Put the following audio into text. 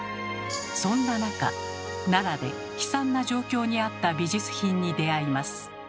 そんな中奈良で悲惨な状況にあった美術品に出会います。